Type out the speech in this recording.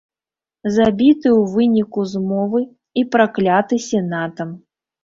Забіты ў выніку змовы і пракляты сенатам.